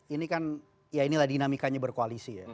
ini kan ya inilah dinamikanya berkoalisi ya